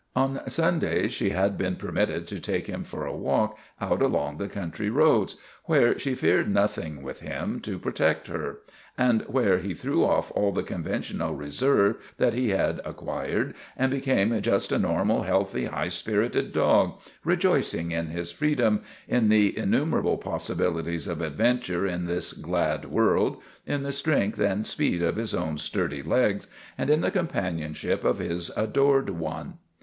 On Sundays she had been per mitted to take him for a walk out along the country roads where she feared nothing with him to protect her, and where he threw off all the conventional re serve that he had acquired and became just a normal, healthy, high spirited dog, rejoicing in his freedom, in the innumerable possibilities of adventure in this glad world, in the strength and speed of his own sturdy legs, and in the companionship of his adored one.